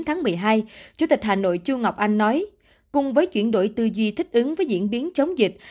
ngày một mươi hai chủ tịch hà nội chu ngọc anh nói cùng với chuyển đổi tư duy thích ứng với diễn biến chống dịch